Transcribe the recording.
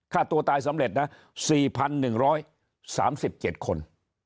ฆ่าตัวตายสำเร็จนะ๔๑๓๗คน